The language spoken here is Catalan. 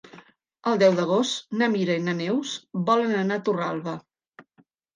El deu d'agost na Mira i na Neus volen anar a Torralba.